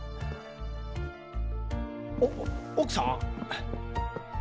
お奥さん？